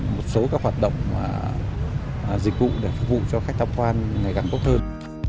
một số các hoạt động và dịch vụ để phục vụ cho khách thăm quan ngày càng tốt hơn